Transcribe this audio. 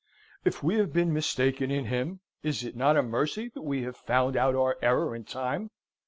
If we have been mistaken in him, is it not a mercy that we have found out our error in time?